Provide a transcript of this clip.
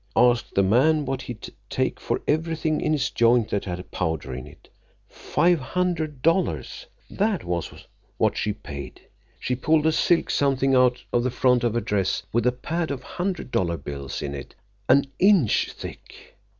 Asked the man what he'd take for everything in his joint that had powder in it. Five hundred dollars, that was what she paid. She pulled a silk something out of the front of her dress with a pad of hundred dollar bills in it an inch think.